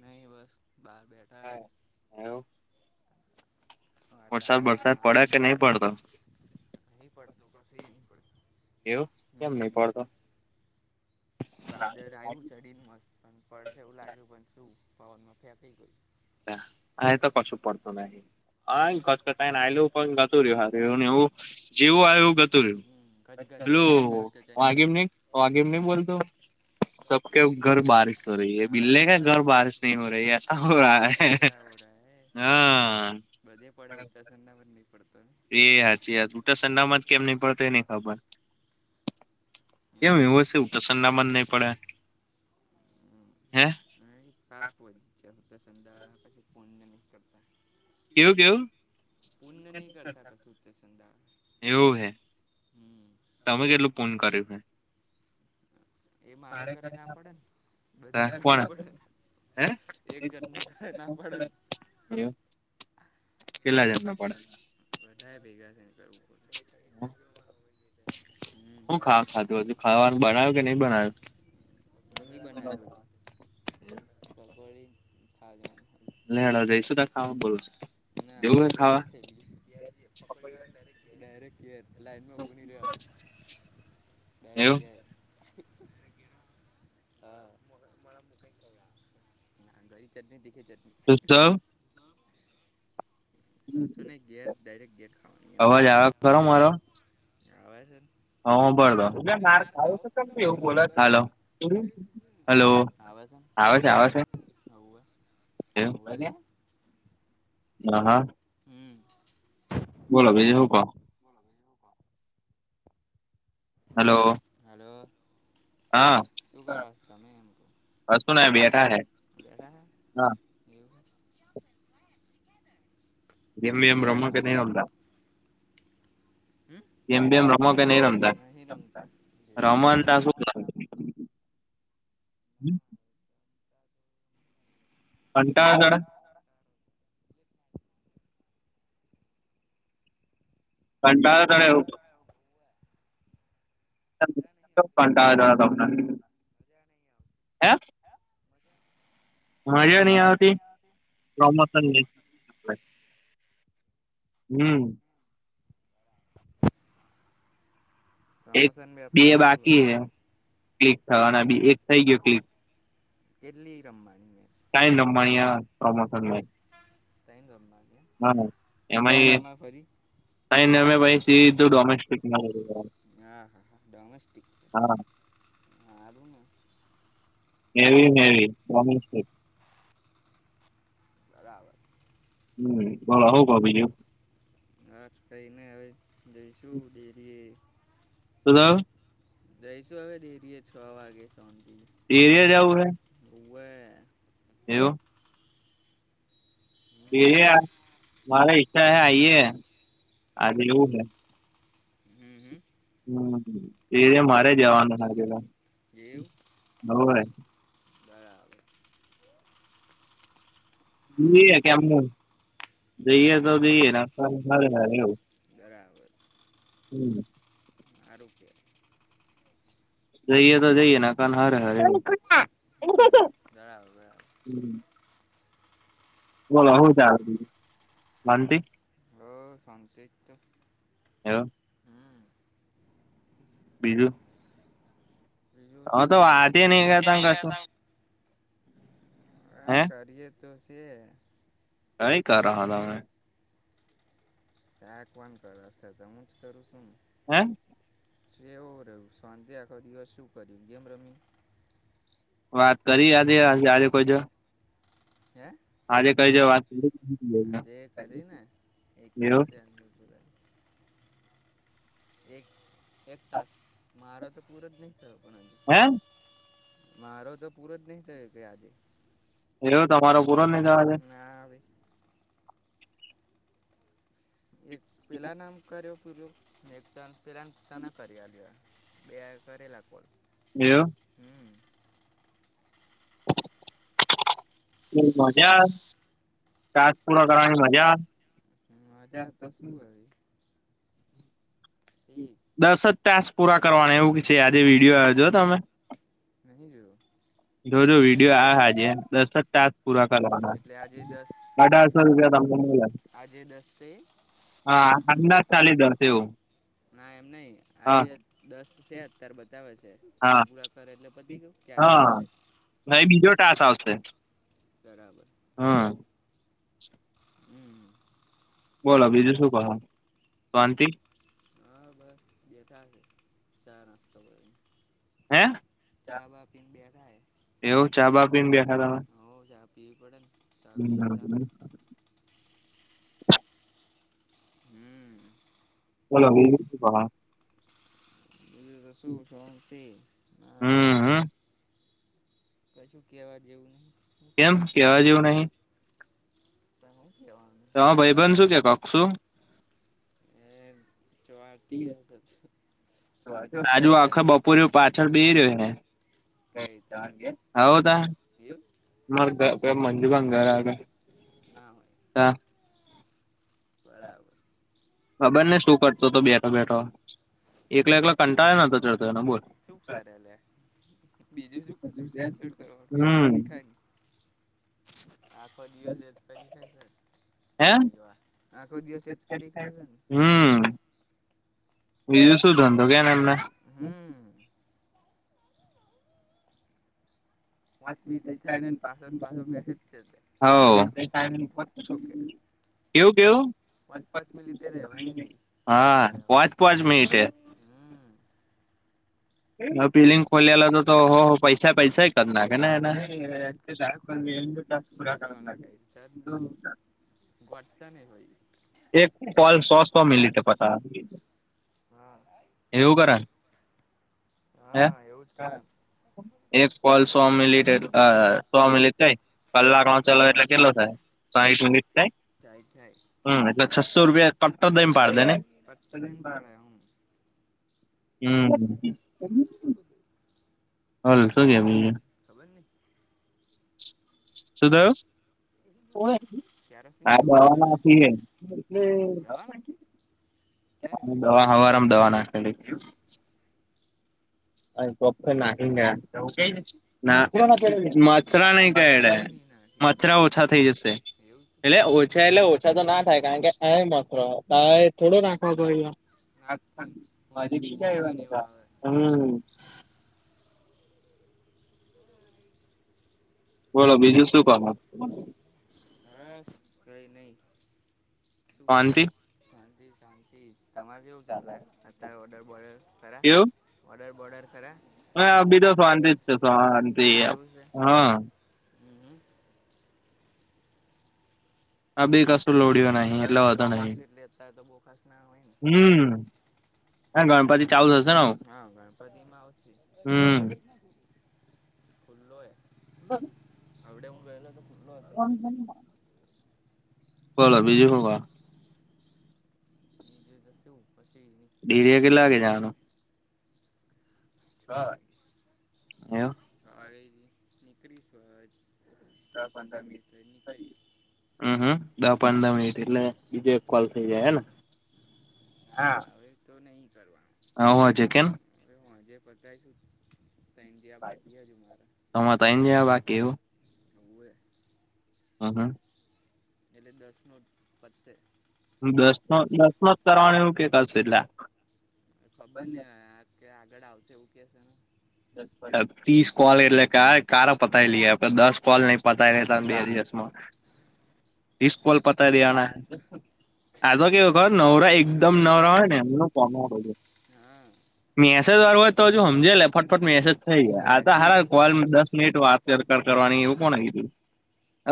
નહીં બસ બહાર બેઠા હે. હા એવું વરસાદ વાતાવરણ વરસાદ પડે સારું કે છે, નહી પડતો નહી પડતું કશુંક નહીં પડતું. એવું કેમ નહીં પડતો. વાદર આવ્યું ચડીને મસ્ત પણ પડશે એવું લાગ્યું પણ શું પવનમાં ફેર થઈ ગઈ. હા કશુ પડતુ નહી. હાતકતાને આલું પણ ગતું રહ્યું હ એને એવું જેવું આવ એવું ગતું રહ્યું. હમ હલો ગચગચન આવ્યું ને ગચગચન આગેમ ગચું ની આગેમ નહીં બોલતો. સબ કે ઘર બારિશ હો રહી હ હા બિલ્લે કે ઘર બારિશ નહી હો રહી સા હો રા હૈ. એસા હો રહા હે બધે પડે ઉત્તરસંડા પર હ નહીં પડતો ને [unintelligible] ખબર કેમ હમ એ [unintelligible] ના પડે હે [inaudible] કેવું કેવું એવું હે [inaudible] હમ તમે કેટલું [unintelligible] એ મારે [inaudible] છે કોણ હે એક જન ને [inaudible] કેટલા જન [inaudible] [inaudible] ભેગા થઈ [unintelligible] હમ [inaudible] બનાવ્યું કે નય ઈ બના નહી [unintelligible] પકોડી [unintelligible] [unintelligible] ના અમે જવું હે ખાવા એવું [unintelligible] [inaudible] હા [inaudible] [unintelligible] ચટણી [unintelligible] [inaudible] કશું નહીં ઘેર ડાયરેક્ટ ઘેર ખાવાની એમ અવાજ આવે ખરો મારો આવે છે [inaudible] હાલો એટલે માર ખાવો છે તમ બોલસ હાલો આવે છે આવે શે આવે શે ને હોવે હોવે લે [inaudible] હ હા હમ શું બોલા કરવાનું? બીજુ [inaudible] હાલો હલો હા શું કરો છો તમે એમ કહું કસું ના બેઠા સે [inaudible] [unintelligible] રમો કે બરાબર નઈ રમતા હમ નહીં રમતા મજા [unintelligible] [inaudible] [unintelligible] [inaudible] [inaudible] મજા ની આવતી પ્રમોશન મેચ હમ નહી એક આવતી મજા નહી આવતી મજા નહી પ્રમોશન બે મેપમાં શું બાકી હોય હે [unintelligible] કેટલી રમવાની [inaudible] છે સાઈન રમવાની [unintelligible] [inaudible] હા ત્રણ રમાય ફરી [unintelligible] સીધું ડોમેસ્ટિક હા ડોમેસ્ટિક હા હારું ને એવી મેવી [inaudible] બરાબર હમ બોલો હૂં કોનો બીજુ હા કઈ ની હવે જઈશું ડેરીએ હાલો જઈશું હવે ડેરીએ છ વાગે [unintelligible] એરિયા જવું હે ઉવે એવું હમ એરિયા તમા હિસ્સા હૈ આઈએ આજ એવું હૈ હમ હમ હમ એ મારે જવાનું હ પેલા એવું હોય બરાબર જઈએ કેમ જઈએ તો જઈએ એવું [unintelligible] બ્રવે [unintelligible] હમ આ રું કે જઈએ તો જઈએ ને કા હરે હરે હમ બરાબર બરાબર બલો હુ [unintelligible] માનતી હ શાંતિ હવ [unintelligible] હમ બીજું બીજું હ શું તો હોય વાત નહી કર ત કશું હા હે કરીએે તો છે કઈ કરો હો તમે કક વાન કર હશે તો હું જ કરું છું [unintelligible] હા વું રહ્યું શાંતે આખો દિવસ શું કર્યું ગમ રમી વાત કરી આજ જેયારે કોઈ જો હે [unintelligible] આજે કઈ છે વાત આજે એ કરી ને એક કક્ષે [unintelligible] અંદર પૂરા એક એક તાસ મારા તો પૂર જ નહી પણ હજુ હા મારો તો પૂરો જ નહિ થયો એકે આજે એ તમારો પૂરો નહી જવાજે ના [unintelligible] હવે એક પેલા નામ કર્યો પેલાતા કર બે કરેલા [unintelligible] એયો હમ એ મજા તસ પૂર્ણ કરની મજા [unintelligible] આવે. હજાર તો શું [unintelligible] એ દસ જ તાસ પૂરા કરવાનું એવું છે આજે વિડીયો આવજો તમે નહી જોયો જો જો વિડીયો આ હાજ દસક ટ પૂરા કરવાના એટલે આજે દસ અઢારસો રૂપિયા તમને મળે આજે દસે હા અમંદાજ ચાલીસ જશે એવું ના એમ નહિ હા આજે દસ છે અત્યારે બતાવે છે એ હા પૂરા કરે એટલે પતિ ગવું કે આગળ હા આવશે હવે બીજો ટાસ આવશે બરાબર હા [unintelligible] હમ બોલો બીજું શું કરો શાંતિ હા બસ બેઠાશે ચા નાસ્તો બધ હે બેઠા હે એવું ચા બા પીને બેઠા તમે પી પડેને હમમકાર [unintelligible] હમ હલોળ બજ ર શું શથી ના હમ હમ કશું કેવા જેવું નહીિ કેમ કેવા જેવું નહી તારે હું કહેવાનું હ ભાઈબન શું કે કક શું એ ચોવાટીી હ રાજુ આખા બપોર પાછળ બે રહ્યો ને કઈ તમારે ઘેર હવદા એવું મંજુ બંગાર ના હોય બરાબર ખબર ને શું કરતો હતો બેઠો બેઠો એકલા એકલા કંટાળ ન તો ચડતો એ બોલ શું કરે લે બીજું શું કશુંડ કરવાનું એચ હમ કરીરી ખાય આખો દિવસે પછ છે હે અરે વાહ આખો દિવસ એ જ કરી ખાય છે ને હમ બીજું શું ધંધો કે એમને હમ પાંચ ટ મિનિટ થાય ને ટાઈમિંગ પાછો ને પાછો મેસેજ છે તે પાંચ મિનિટ થાય ને ફોન ઠોકે કેવું કેવું પાંચ પાંચ મિનિટે રેવાય નહ વાત હા કર પાંચ પાંચ મિનિટે હમ [inaudible] હ પિલિંંગ ખોલલા હતો તો હો પૈસા પૈસા ક જ નાખે એ ટાસ્ક પુરા કર લાગે તદો ઘ્વાટસ ન હોય એક કોલ સો સો મિનિટે પતાવે એવું કરણ હે હા એવું જ કર એક કોલ સો મિલિટ સો મિલિટ કઈ કલાક ન ચલો એટલે કલાક કેટલો થાય સાહીઠ મિનિટ થાય જાય થાય હમ એટલે છસો રૂપિયા કટ્ટ દ પાડી પત્તા દેન પાડે હું હમ ઓલ શું કેમ અ ખબર નહીં શું થયું [unintelligible] કેરાન આ જેવું દવા નાખી એટલે દવા નાખી ક્યારે નાખી દવા હવારમ દવા નાખે એવું અ પપ તો હું કઈ જશે ના મચ્રા નઈ કે મચ્છર નહીં નાખી આખું મચ્રા ઓછા થઈ થ જશે એવું છે એટલે ઓછા એટલે ઓછા તો ના થાય કારણ કે આ મરો થોડો ના ખાતો ના જ થાય ને છ હું આજે બીજા પરીક્ષ આવ્યા ને આવે એવા હમ બોલો બીજું શું કર હા કઈ નઈ પાનચ શાંતિ તમારે કેવું ચાલે અત્યારે ઓર્ડર બોલ ખરા ઓર્ડર બર્ડર કરરા હ બીજા શાંતિ જ છે શાંતિ એવું છે હા હમ હમ. હ બે ક હવે ચોમાસુંટ લેતા હો તો બો ખાસ ના હોય ને હમ હા ગણપતિ ચાલુ થશે ને હા ગણપતિમાં આવશે હમ ખુલ્લો એ હ આડ હું વલો તો પુટલો હતો કોલો બીજી હોવા બીજું તો શું પછી ડેરિયા કેટલાાગે જવાનું છ વાગે એવું છ વાગે નીકળ છ વાે પંદ મ હ હમ પંદર મિનિટ એટલે બીજે કોલ થઇ જાય હને હા હવે તો નહી હ હોવા છે કેમ હજ પતાયશું તમે તો એ જ બાકી એવું હવે હા હા એટલે દસ ન પદશે દસ દસ ન જ કરવાનું એવું કકશે એટલે ડા આવશે એવું કે ને દસ પર ત્રીસ કોલ એટલે ક ક પતાય લઈએ આપડે દસ કોલ નહી તારે પતાય કોલપતારિયાણા આ તો આ તો કેવ ખબર નવરા એકદમ નવરા હોય ને એમ કો હા મેસેજ વારું હોય તો હજુ સમજે લે મેસેજ થઈ ગયા આ હાર મેસેજ કોલ દસ મિનિટ વાત કરવાની એવું કોણ આવીયું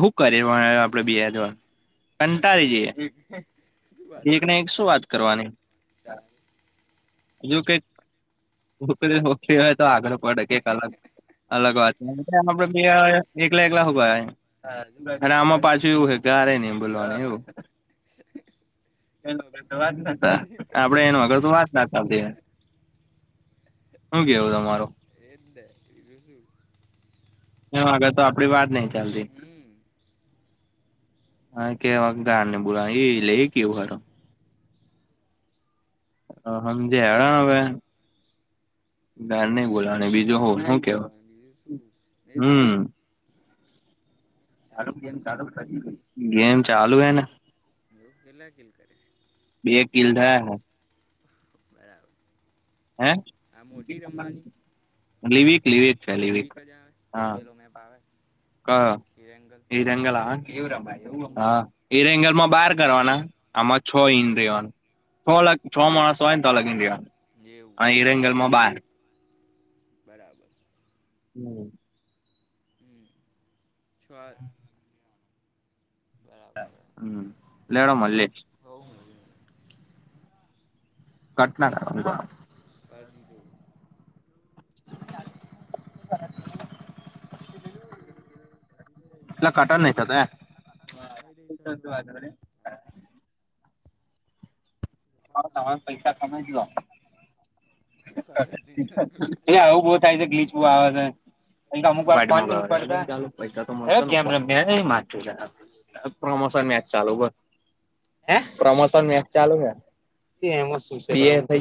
શું કરે આપડે બેજ કંટાળી જઈએ એક શું વાતો એકને એક કરવાની શું વાત કરવાની તારે હજુ કઈક હ હો આગળ પડે કે કલાક અલગ વાત છે આપડે બે એકલા એકલાભા હા, શું અને કર્યું આમાં કાલે પાછું એવું હે કીધું કે ક્યારે નહ અ, બોલવાનું એવું એ એનો વગર કર તો વાત ના નાતા થતી આપડે એનો આગળ તો વાત નાતા હ ગ એવદ અ મારો એને ર હ અગર તો આપડી વાત નહ ચાલતી હમ હા કે વાખદ ને બોલા એ લઈ ગ હર હમ જે હરા હવે ગર નઈ બોલા અને બીજું હોવ શું નહીં કેવા બોલવાનું બીજું શું એ જ તો હમ ાલ ચાલુ ચાલ ગેમ ચાલુ પતી ગઈ ગેમ ચાલુ હ ને લોકો કેટલા કિલ કરે બે કિલ થયા હ બરા હે આ મોટી રમવાની લિવિક લિવિક છે લિવિક લેવીિક જ આવે કે પેલો મેપ આવે હા હિરેંગલ એ રંગલ હ કે બેવ રમાય એવું હ એ રંગલ માં બાર કરવાના આમાં છ ઈ અવાનું છ લાખ છ માણ સોયન તો લગ ન્ડિયામાં આમ એવું અને હિરંગલમાં બાર બરાબર હમ હમ છ બરાબર બરાબર હમ લેડ મલી બહુ મળી મને ઘટના બાજ દો ત એ કરી છેું હા શત વાત બ હ તમે પૈસા કમે જો રીધ આવું બ થાય અમુક [unintelligible] પ્રોમોશન મેચ ચાલુ બોલ હે પ્રમોશન મેચ ચાલુ છે એ એમાં શું છે થાય [unintelligible]